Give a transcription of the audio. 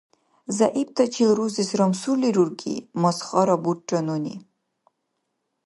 — Зягӏиптачил рузес рамсурли рурги? — масхара бурра нуни.